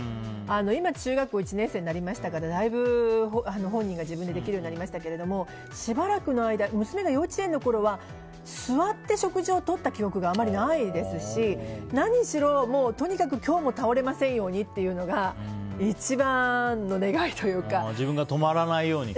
今、中学校１年生になりましたからだいぶ本人も自分でできるようになりましたけどしばらくの間娘が幼稚園のころは座って食事をとった記憶があまりないですし何しろ、とにかく今日も倒れませんようにというのが自分が止まらないように。